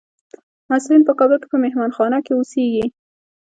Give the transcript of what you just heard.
محصلین په کابل کې په مهانخانه کې اوسیږي.